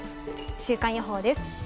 週間予報です。